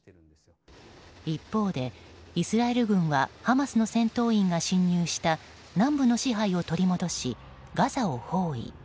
一方で、イスラエル軍はハマスの戦闘員が侵入した南部の支配を取り戻しガザを包囲。